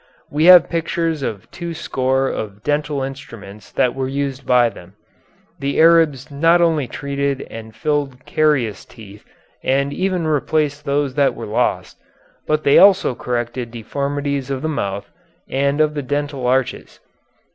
We have pictures of two score of dental instruments that were used by them. The Arabs not only treated and filled carious teeth and even replaced those that were lost, but they also corrected deformities of the mouth and of the dental arches.